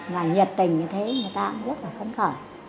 mà nhiệt tình như thế người ta cũng rất là khấn khởi